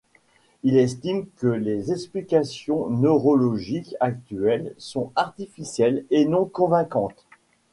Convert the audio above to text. Il estime que les explications neurologiques actuelles sont artificielles et non convaincantes.